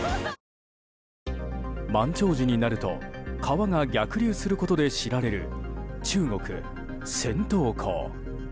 満潮時になると川が逆流することで知られる中国・銭塘江。